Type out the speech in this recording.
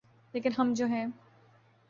‘ لیکن ہم جو ہیں۔